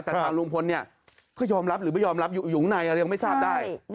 แต่ทางลุงพลเนี่ยเขายอมรับหรือไม่ยอมรับอยู่ข้างในยังไม่ทราบได้